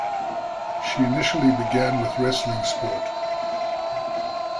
She initially began with wrestling sport.